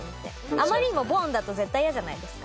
あまりにもボンッだと絶対嫌じゃないですか。